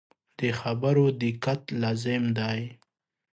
د خبرو دقت لازم دی.